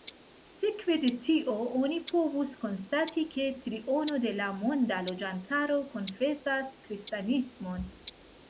Sekve de tio oni povus konstati, ke triono de la monda loĝantaro konfesas kristanismon.